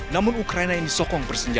namun ukraina ini sokong bersenjata